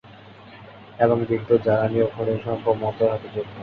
এবং বিদ্যুৎ, জ্বালানি ও খনিজ সম্পদ মন্ত্রণালয়ের সাথে যুক্ত।